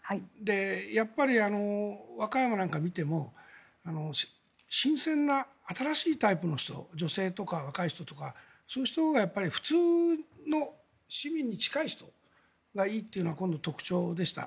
やっぱり和歌山なんか見ても新鮮な新しいタイプの人女性とか、若い人とかそういう人普通の市民に近い人がいいというのが今度の特徴でした。